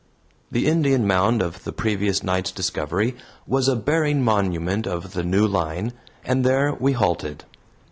The Indian mound of the previous night's discovery was a bearing monument of the new line, and there we halted.